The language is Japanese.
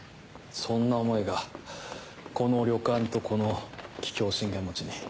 そんな思いがこの旅館とこの桔梗信玄餅に。